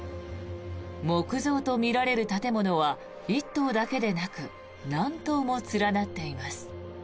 木造とみられる建物は１棟だけでなく何棟も連なっています。